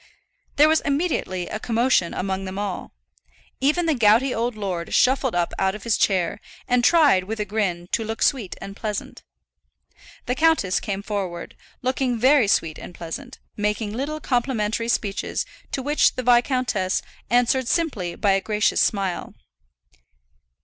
There was immediately a commotion among them all. Even the gouty old lord shuffled up out of his chair, and tried, with a grin, to look sweet and pleasant. The countess came forward, looking very sweet and pleasant, making little complimentary speeches, to which the viscountess answered simply by a gracious smile.